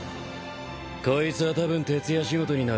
こいつはたぶん徹夜仕事になる。